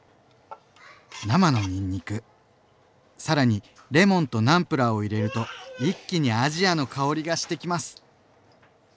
生のにんにく更にレモンとナムプラーを入れると一気にアジアの香りがしてきます。